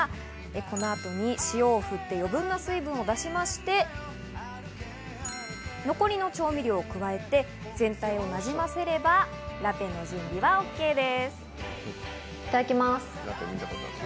この後に塩を振って、余分な水分を出しまして、残りの調味料を加えて全体になじませれば、ラペの準備はＯＫです。